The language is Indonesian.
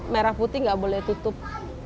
merah putih nggak boleh tutup